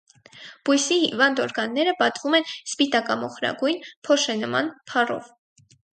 Բույսի հիվանդ օրգանները պատվում են սպիտակամոխրագույն փոշենման փառով։